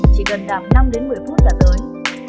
chỉ cần đạp năm một mươi phút là tới